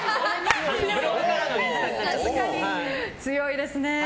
強いですね。